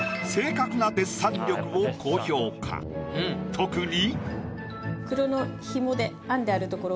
特に。